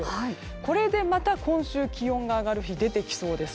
これで今週、気温が上がる日が出てきそうです。